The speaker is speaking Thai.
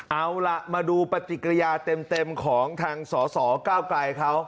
เอาล่ะมาดูปฏิกิริยาเต็มของทางสสเก้าไกลเขา